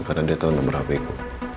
karena dia tahu nomor hp ku